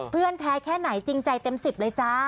เพื่อนแค่ไหนจริงใจเต็มสิบเลยจ้า